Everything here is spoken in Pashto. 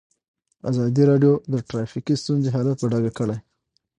ازادي راډیو د ټرافیکي ستونزې حالت په ډاګه کړی.